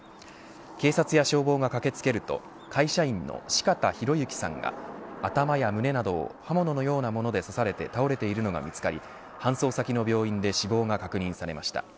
警察や消防が駆けつけると会社員の四方洋行さんが頭や胸などを刃物のようなもので刺され倒れているのが見つかり搬送先の病院で死亡が確認されました。